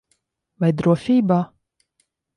Vai drošībā?